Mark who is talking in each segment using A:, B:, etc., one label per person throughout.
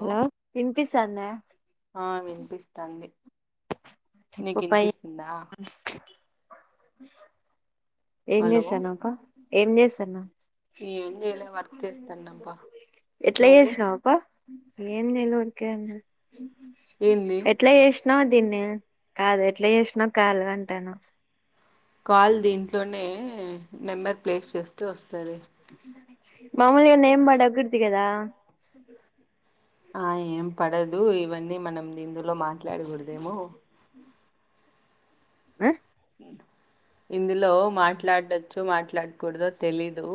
A: Hello వినిపిస్తాందా? చెప్పు
B: నీకినిపిస్తుందా
A: ఉమ్ ఏంజెస్తానండవ్ అక్క ఏం చేస్తాన్నా
B: ఏంయలే వర్క్ చేస్థాండ అబ్బా
A: ఎట్లా
B: నువ్వు
A: చేసినావ్ అక్క ఏం లేదు ఉరికే వచ్చిన
B: ఏంది
A: ఎట్ల చేష్నా తిన్ని కాదు ఎట్లా చేసినా కాదు అంటాడవ్
B: కాల్ దీంట్లోనే నెంబర్ ప్లేస్ చేస్తే వచ్చింది సరే
A: మామూలుగా నేమ్ పడకూడదు కదా స
B: ఆ ఏం పడదు ఇవన్నీ మనం ఇందులో మార్ మాట్లాడకూడదేమో
A: ఆ
B: ఇందులో లో మాట్లాడొచ్చు మాట్లా ప్లడ్ కుడదో తెలీదు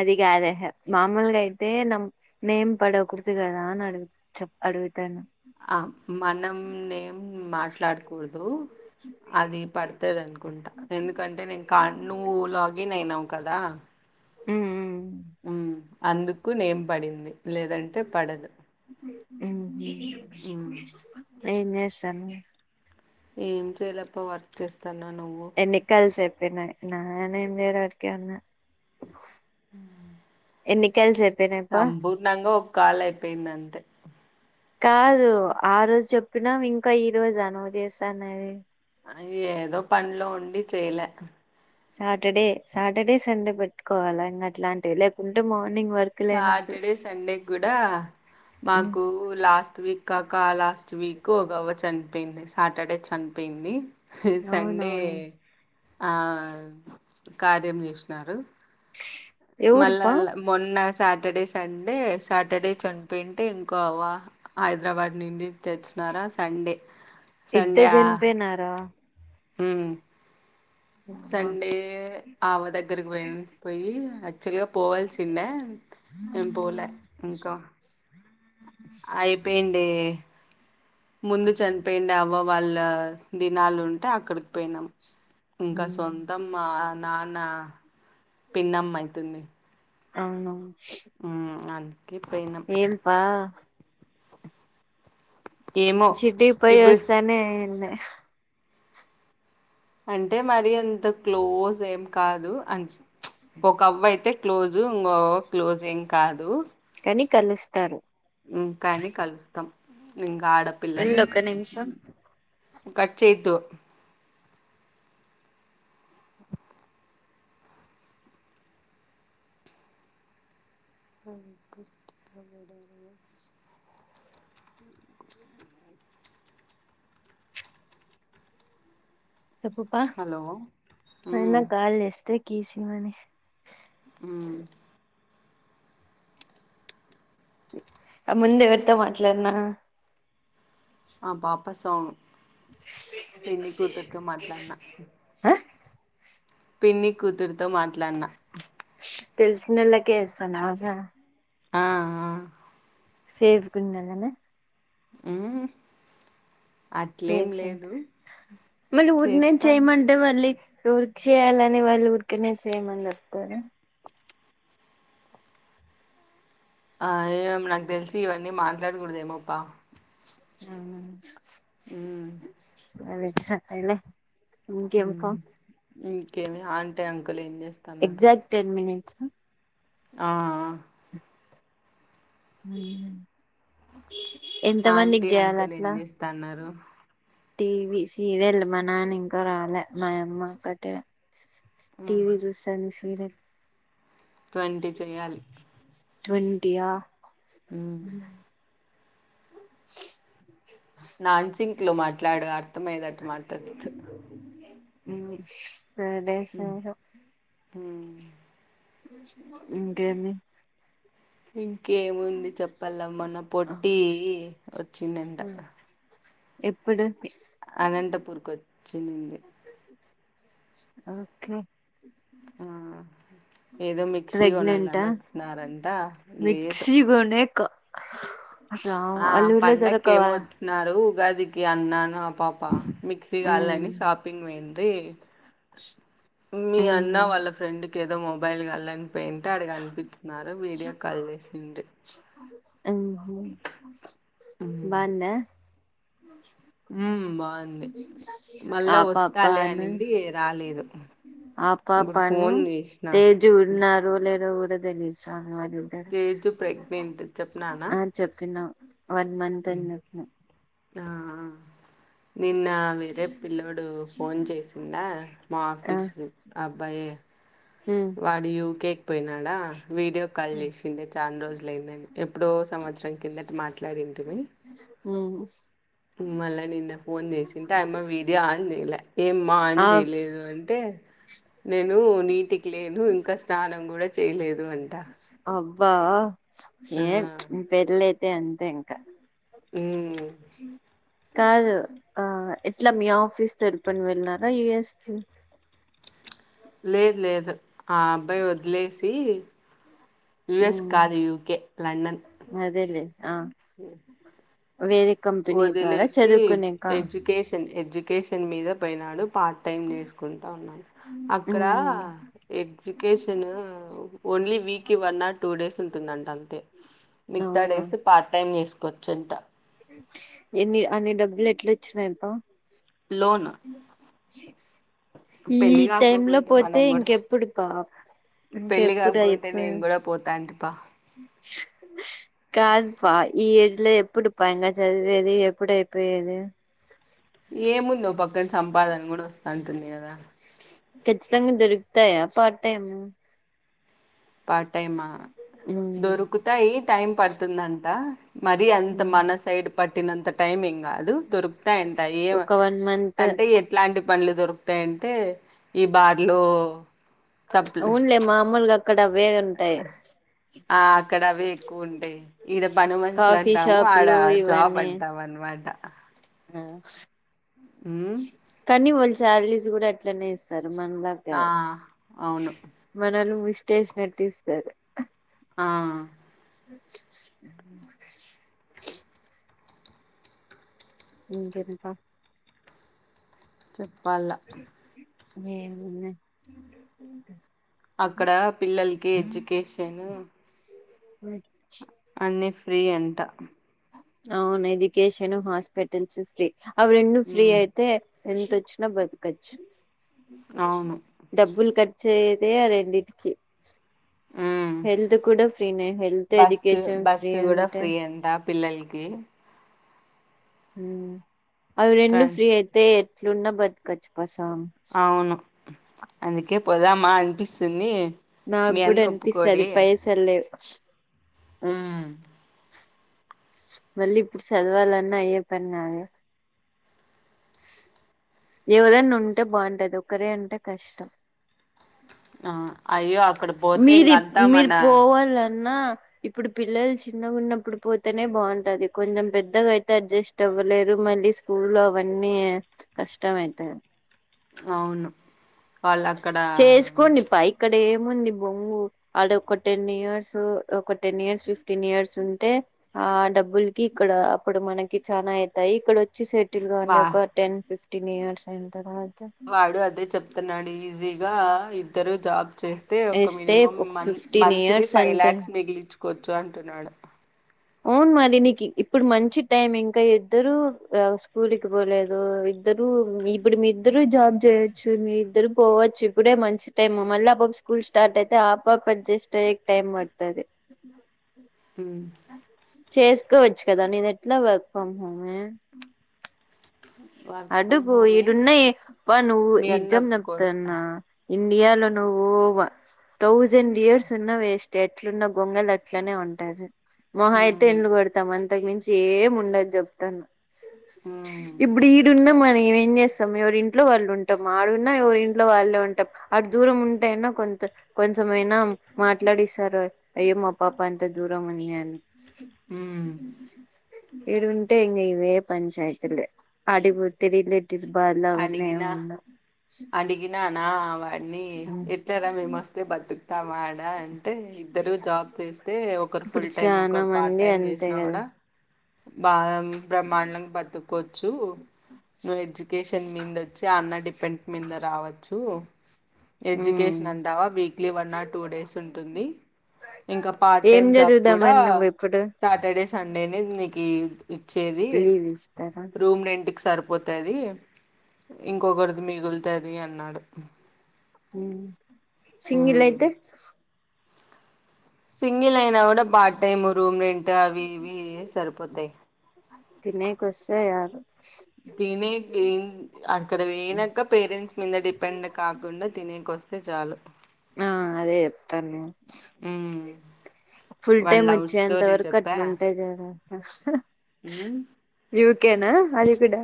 A: అదిగాదే హే మామూలుగా అయితే నమ్ నేమ్ పడవ కుర్తిగాదాని అడుగుప్ప అడుగు అడుగుతాను
B: ఆ మనం నేం మాట్లాడకూడదు అది పడుతది అనుకుంటా ఎందుకంటే నేను క నువ్వులాగన్ అయినవ్ కదా
A: ఉమ్ ఉమ్
B: ఉమ్ అందుకు నేం పడింది లేదంటే పడదు
A: ఉమ్
B: ఉమ్
A: ఉ ఏం చేస్థాండవ్
B: ఏం చేయలేప్ప వర్క్ చేస్త తన నువ్వు
A: న్న నాన ఎేరరికి
B: అ
A: ఎన్నికల్స్ అయిపోయినాయి పా
B: సంపూర్ణంగా ఒక కాల్ అయిపోయింది అంతే
A: కాదు ఆ రోజు జెప్పినా ఇంకా ఈ రోజు నువ్ జేస్తాన్నది
B: అ ఏదో పంలో ఉండి చెయలే
A: సాటర్డే సాటర్డే సండే పెట్టుకోవాలా ఇంగ అట్లాంటివి లేకుంటే మార్
B: సాటర్డే సండే కూడా
A: ఉమ్,
B: మాకు లాస్ట్ వీక్ ఇం కాక లాస్ట్ వీక్ ఒగవ్వ చనిపోయింది సాటర్డే చనిపోయింది
A: అవునా
B: సండే ఆ కార్యం జేషినారు
A: ఎవరుపా
B: మళ్ళల్ మొన్న సాటర్డే సండే సాటర్డే చనిపోయింటే ఇంకో హైదరాబాద్ నుండి తెచ్చినారా సండే
A: ఇద్ద జన్పేనారా
B: ఉ
A: అమ్మ
B: సండే ఆవ దగ్గరకి పో పోయి యాక్చువల్గా పోవల్సిండే మేం పోలే ఇంకా అయిపోయిండే ముందు చనిపోయిండ అవ్వ వాళ్ళ దినాలుంట అంటే అక్కడికి పోయినాం ఇంకా సొంతమ్ మా నాన్న పిన్నమ్మైతుంది
A: అవునువు
B: అనికి ఇప్పుయినా
A: ఏంపా
B: ఏమో
A: చిడ్టి పయి
B: ఇప్పుడు
A: వస్తానే
B: అంటే మరి అంత క్లోజ్ ఏం కాదు అంట ఒక కవ్వయితే క్లోజు ఇంగొవ్వా క్లోజ్ ఏం కాదు
A: కానీ కలుస్తారు
B: కానీ కలుస్తాం ను
A: ఉండొక్క నిమిషం
B: కట్చేయద్దు అష్టబడారు
A: చెప్పుప
B: హలో మ్
A: అయన్నకాల్ జేస్తి కీసిమ్మనా
B: అ
A: ఆ ముందేవరితో మాట్లాడినా
B: ఆ పాపస్ ఒ పిన్ని కూతురుతో మాట్లాడిన
A: ఆ
B: పిన్నిీ కుతుర్ తో మాట్లాడినా
A: తెలిసినోల్లకే ఏస్తాన్నవ జ
B: ఆ ఆ
A: సేఫ్ గుండాలన
B: హు
A: సేఫ్ అ మళ్ళీ ఊన్ నేం
B: చేస్తాను
A: చేయమంటే వళ్ళీ ఎరికిచేయాలని వాళ్ళు ఊరికనే చేయమని చెప్తార
B: ఆ ఎం నాకు తెలిసి ఇవన్నీ మాట్లాడకూడదేమోప్ప
A: ఆ
B: ఉ
A: అదే సరే లే
B: ఇంకేమి ఆంటి అంకుల్ ఏం చేస్తన్నారు
A: అ
B: ఆ ఆ
A: మ
B: ఆంటీ అంకుల్ ఏం చేస్తాన్నారు
A: టీవీ సీరియల్ మన నాన ఇంక రాలే మా యమ్మ ఒక్కటే టీవీ చూసాంది సీరియల్
B: ట్వంటి చేయ్యలి
A: ట్వంటి ఆ హ
B: ట్లో మాట్లాడు అర్థమయ్యేతట్టు మాట్లాడ్ త్
A: ఊహ్మ్ సదే సరే
B: ఊమ్
A: ఇంకేమి
B: ఇంకేముంది చెప్పాలమ్మ న పొట్టి వచ్చిందంట
A: ఎప్పుడు
B: అనంతప్ పూర్ కోచ్చింది
A: ఓకే
B: ఆ ఏదో మిక్సీ కొనాలని
A: ప్రెగ్నెంటా
B: వస్తున్నారంట లేదు
A: మిక్సీగోనే క హ అట్లా
B: ఆ
A: అల్ ఊల
B: పండక్కేమో
A: దొరకవా
B: వచ్చినారు ఉగాదికి అన్నాన పా పా మిక్సీ
A: ఉమ్
B: గాలని షాపింగ్ వేంది మీ
A: ఉమ్
B: అన్న వాళ్ళ ఫ్రెండ్ ఏదో మొబైల్ గాల్లన్ పెయింట్ ఆడ్ కనిపించినారు వీడియో కాల్ చేసిండ్రి
A: స్ బాందా
B: ఉమ్ బాగుంది
A: ఆ
B: మళ్ళా వస్తాలే
A: పాపను
B: అనింది రాలేదు
A: ఆ
B: ఇప్పుడు
A: పాపా ను
B: ఫోన్ చేసిన
A: తేజ్ ఉన్నారు లేరో పెదలీసా
B: తేజు ప్రెగ్నెంట్ చెప్పినానా
A: ఆ చెప్పినా వన్ మంత్ అని చెప్పినా
B: ఆ నిన్న వేరే పిల్లోడు ఫోన్ చేసిండ మా
A: ఆ
B: ఆఫీసు అబ్బాయే
A: ఉమ్
B: వాడు యుకే పోయినాడా వీడియో కాల్ చేసిండే చాలా రోజులయిందని ఎప్పుడో సంవత్సరం కిందట మాట్లాడింటిమి.
A: ఉమ్
B: మళ్ళ నిన్న ఫోన్ చేసింటే ఆయమ్మా వీడియో ఆన్ చేయలే ఏమ్మా ఆన్
A: ఆఫ్
B: చేయలేదు అంటే నేను నీటికి లేను ఇంకా స్నానం కూడా చేయలేదు వంట
A: వా ఏ పేల అ అంతే ఇంకా
B: అ
A: కాదు ఆ ఎట్లా మీ ఆఫీస్ తెలుపుని వెళ్రీనారా యయుఎస్కి
B: లేదు లేదు ఆ అబ్బాయి వదిలేసి యుూఎస్
A: ఉమ్
B: కాదు యుకే లండన్
A: అదేలే ఆ వేరే కంపెనీ ద్వారా
B: వదిలేసి
A: చదువుకునేక
B: కేషన్ మీద పోయినాడు. పార్ట్ టైం చేసుకుంటా ఉన్నాం అక్కడ
A: ఉమ్
B: education only weekly one or two days ఉంటుందంట అంతే మిగతా
A: అవునా
B: డేసు పార్ట్ టైం. వచ్చంట.
A: ఎన్ని అన్ని డబ్బులు ఎట్లా వచ్చినాయి. చెప్పవా
B: లోన్
A: చె ఈ
B: పెళ్ళి
A: టైమ్ లో
B: కాకోకుంటే
A: పోతే
B: మనం
A: ఇంక
B: కూడా
A: ఎప్పుడు పా ఇంకా
B: పెళ్ళి
A: ఎప్పుడా
B: కాకుంటే
A: ఐప్పు
B: నేను కూడా పోతాంటిపా
A: కాదుపా ఈ లే ఎప్పుడుపాంగా చదివేది ఎప్పుడ అయిపోయేది.
B: ఏముందొ ఓ ప ని సంపాదన కూడా వస్తా అంటుంది కదా.
A: తయా పార్ట్ టైమ్.
B: పార్ట్ టైమా
A: ఉమ్
B: దొరుకుతాయి టైం పడుతు తుందంట. మరి అంత
A: ఉమ్
B: మన సైడ్ పట్టినంత. టైమింగ్ గాదు దొర్ యంట ఏం
A: ఒక వన్ మంత్
B: అంటే ఎట్లాంటి, పండ్లు దొరుకుతాయంటే ఈ బార్లో చప్పులు
A: అవునులే మామూలుగా ఇక్కడ
B: ఆ అక్కడ అవి ఎక్కువ ఉంటాయి ఈడ పని మనుషులు
A: కాఫీ
B: అంటాము ఆడ
A: షాపులు
B: జాబ్ అంటాం అనమాట.
A: ఆ
B: ఉమ్
A: కనీ వల్ శాలరీస్ కూడా అట్లనే ఇస్తారు. మనల
B: ఆ
A: కాదు.
B: అవును
A: మనోళ్లు ముష్టి స్టేషనర్ తీస్తారు.
B: ఆ
A: అ [inaudible] ఇంకేంది పా
B: వాళ్ల
A: ఎం
B: అక్కడ పిల్లలకి ఎడ్యుకేషను.
A: అ
B: అన్ని ఫ్రీ అంట
A: అవును ఎడ్యుకేషన్ హాస్పిటల్స్ ఫ్రీ అవి రెండు ఫ్రీ
B: ఉమ్
A: అయితే ఎంతచ్చ న బదు కచ్చ
B: అవును
A: డబ్బులు కట్ చేదే రెడింటికి
B: ఉమ్
A: హెల్త్ కూడా ఫ్రీనే health
B: bus
A: education free
B: bus కూడా
A: ఉంటే
B: ఫ్రీ అంట పిల్లలకి
A: మ్ అవి రెండు
B: ట్రాన్స్
A: ఫ్రీ అయితే ఇలున్న బద్కచ్ పస్ [unintelligible]
B: అవును అందుకే పోదామా అనిపిస్తుంది మీ
A: నాకు
B: అన్న
A: కూడా అనిపిస్తుది పైస లేవు
B: మ్
A: మళ్ళీ ఇప్పుడు చదవాలన్నా అయ్యే పని కాదు ఎవరైనా ఉంటే బాగుంటది ఒకరే అంటే కష్టం
B: ఆ అయ్యో అక్కడ పోతే
A: మీది
B: ఇంక అంతా
A: మీరు
B: మన
A: పోవాల న్నా ఇప్పుడు పిల్లలు చిన్నగా ఉన్నప్పుడు పోతేనే బాగుంటది, కొంచెం పెద్దగా అయితే అడ్జస్ట్ అవ్వలేరు, మళ్ళీ స్కూల్ లో అవన్నీ కష్టమ్ అయిత
B: అవును వాళ్ళు అక్కడ
A: చేసుకోండి ప ఇక్కడే ఏంది బొంగు అడ ఒక టెన్ ఇయర్స్ ఒక టెన్ ఇయర్స్ ఫిఫ్టీన్ ఇయర్స్ ఉంటే ఆ డబ్బుల్ క ఇక్కడ అప్పుడు మనకి చానా అవుతాయి ఇక్కడ వచ్చి సట్
B: వా
A: ఒక టెన్ ఫిఫ్ ఫటీన్ ఇయర్స్
B: వాడు అదే చెప్తను నడు ఈజీగా ఇ ఇద్దరు జాబ్ చేస్తే ఒక
A: వేస్తే
B: మినిమం
A: ఒక
B: మంత
A: ఫిఫ్టీన్
B: మంత్లీ
A: ఇయర్స్
B: ఫైవ్
A: అంతే
B: ల్యాక్స్ మిగిలిచుకోవచ్చు అంటున్నాడు
A: అవును మరి నీకు ఇప్పుడు మంచి టైం ఇంకా ఇద్దరు స్కూల్కి పోలేదు ఇద్దరు ఇప్పుడు మీ ఇద్దరు జబ్య మీ ఇద్దరు పోవచ్చు ఇప్పుడే మంచి టైమ్ మళ్ళీ పా స్కూల్ స్టార్ట్ అయితే ఆపప అడ్జెస్ట్ అయ టైం పడుతుది
B: ఉమ్
A: చేసుకోవచ్చు కదా నను ఎట్లా వర్క్ ఫ్రమ్ హోమ్
B: వర్క్
A: అడు
B: ఫ్రమ్
A: పో
B: హోమే
A: ఇడున్నాయి పా నువ్వు
B: మీ అన్న
A: నిజం
B: ఒప్పుకోడు
A: నప్తాన్నా ఇండియాలో నువ్వు థౌజండ్ ఇయర్స్ ఉన్న వేస్ట్ ఎట్లున్న గొంగలు అట్లనే ఉంటారు మొహ అయితే
B: ఉమ్
A: ఎంలుగడతామంత అంతగ్ మించీ ఏం ఉండద్ చెప్తానా.
B: ఉమ్
A: ఇప్ ఉండమనీ మేం ఏం చేస్తాం. ఎవరింట్లో వాళ్ళు ఉంటం. ఆడున్నా ఎవరి ఇంట్లో వాళ్ళే ఉంటం. అడ్ దూరం ఉంటే అన్నా కొంత కొంచెమైనా మాట్లాడిస్తారు. అయ్యో మా పాప అంత దూరం అనీయే. అ
B: ఉమ్
A: ఈడుంటే ఇంగ ఇవే పంచాయితులు. ఆడిగ్పోతే రిలేట్
B: అడిగినా అడిగినానా వాడినీ ఇద్దరం మేము మస్తు బతుకుతాం ఆడా అంటే. ఇద్దరూ జాబ్ చేస్తే ఒకరు
A: ఇప్పుడు
B: ఫుల్ టైం,
A: చానా
B: ఒకరు పార్ట్
A: మంది
B: టైం
A: అంతే
B: చేశినా
A: కదా
B: గూడా బాధం బ్రహ్మ్మాండంగ్ బతుక్కోవచ్చూ నువు ఎడ్జ్ చన్ మీ [unintelligible] వచ్చి ఆ అన్న డిపెంట్ మీద రావచ్చు. తూ
A: ఉమ్
B: ఎడ్యుకేషన్ అంటావా weekly one or two days ఉంటుంది. ఇంకా పార్ట్
A: ఏం
B: టైమ్ జాబ్ కూడా
A: చదువుదామని నువ్వు ఇప్పుడు
B: సాటర్డే స్ సండేనే నికీ ఇచ్చేదీ
A: లీవ్ ఇస్తారా
B: రూమ్ రెంట్క్ సరిపోతాదీ ఇంకొకరిది మిగులుతాది అన్నాడు.
A: హ్మ్
B: ఉమ్
A: సింగిలైయితే
B: సింగిలైనా గూడా పార్ట్ టైము. రూమ్ రెంట్ అవి ఇవీ సరిపోతాయి.
A: తినేకి వస్తాయి
B: తినేకీ అక్కడ పోయినంక పేరెంట్స్ మీదనే డిపెండ్ కాకుండ తినేకొస్త్ ఇక చాలు
A: ఆ అదే చెప్తాను. ఫుల్
B: వాళ్ళ
A: టైమ్
B: లవ్
A: వచ్చేంత
B: స్టోరీ
A: వరకు
B: చెప్పా
A: అట్లు ఉంటయ్ జాగ్రత్త.
B: ఉమ్
A: యూత్ ఓకేనా అదికూడా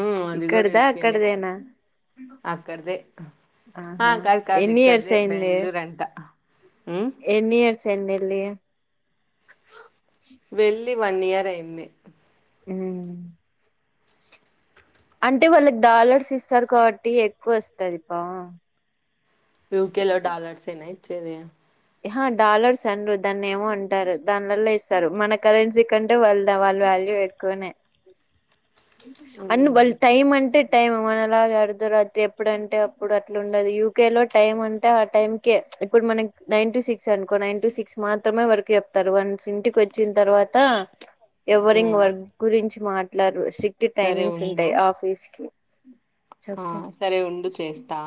B: ఊ అది కూడా ఓకేనే.
A: అక్కడదేనా
B: అక్కడిదే ఆ
A: ఆహా
B: కాదు కాదు
A: ఎన్ని ఇయర్స్
B: ఇక్కడిదే
A: అయింది
B: బెంగళూరు అంట. ఊ
A: చెన్నెల్లీయా
B: వెళ్ళి వన్ ఇయర్ అయింది.
A: హ్ము అంటే వాళ్ళకి డాలర్స్ ఇస్తారు కాబట్టి ఎక్కువ వస్తది పా.
B: యూకే లో డాలర్స్ ఏనా ఇచ్చేది.
A: యహా డాలర్స్ అన్రు దాన్ని ఏమో అంటారు. దాని వల్ల ఇస్తారు మన కరెన్సీ కంటే వాళ్ళదా వాళ్ళ వాల్యూ ఎక్కువనే. అండ్
B: ఉమ్
A: వాళ్ళ్ టైమ్ అంటే టైమ్ మన అలాగ అర్ధరాత్రి ఎప్పుడుంటే అప్పుడు అట్లా ఉండదు యూకే లో టైమ్ అంటే ఆ టైంకే ఇప్పుడు మన నైన్ టు సిక్స్ అనుకో నైన్ టు సిక్స్ మాత్రమే వర్క్ చెప్తరు వన్స్ ఇంటికి వచ్చిన తర్వాత ఎవరి ఇంగ
B: ఉమ్
A: వర్క్ గురించి మాట్లారు షిఫ్టీ
B: సరే
A: టైమింగ్స్
B: ఉండు
A: ఉంటాయ్ ఆఫీస్ వి స
B: ఆ సరే ఉండు చేస్తా